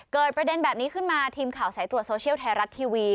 ประเด็นแบบนี้ขึ้นมาทีมข่าวสายตรวจโซเชียลไทยรัฐทีวี